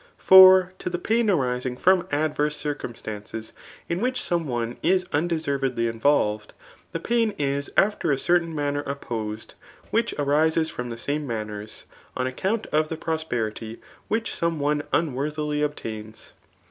For to the pain arising from adverse circumstances jn which some one; i$ unde^ servediy invcflv^d, the pain is after a certain m^pef opposed, which arises from the same manners, . on account of the pi; Ofi; perity which some one unworthily obtains.